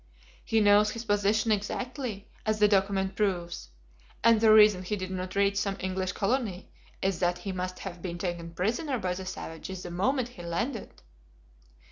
He knows his position exactly, as the document proves, and the reason he did not reach some English colony is that he must have been taken prisoner by the savages the moment he landed!"